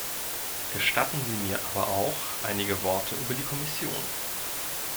Gestatten Sie mir aber auch einige Worte über die Kommission.